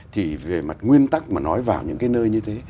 thì về mặt nguyên tắc mà nói vào những cái nơi như thế